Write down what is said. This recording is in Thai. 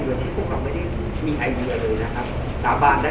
เราไม่บอกว่าเราอาจจะคิดคุณทำอย่างนี้ค่ะเราจะทำต่อไป